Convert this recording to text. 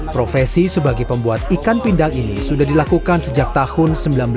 profesi sebagai pembuat ikan pindang ini sudah dilakukan sejak tahun seribu sembilan ratus sembilan puluh